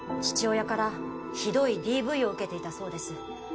父親からひどいＤＶを受けていたそうです。